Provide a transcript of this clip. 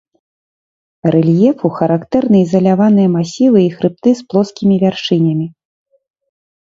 Рэльефу характэрны ізаляваныя масівы і хрыбты з плоскімі вяршынямі.